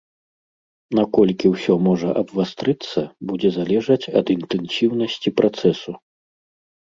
Наколькі ўсё можа абвастрыцца, будзе залежаць ад інтэнсіўнасці працэсу.